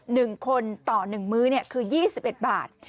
หนึ่งคนต่อหนึ่งมื้อเนี่ยคือยี่สิบเอ็ดบาท